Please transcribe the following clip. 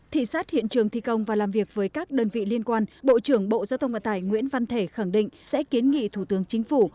thị sát hiện trường thi công và làm việc với các đơn vị liên quan bộ trưởng bộ giao thông vận tải nguyễn văn thể khẳng định sẽ kiến nghị thủ tướng chính phủ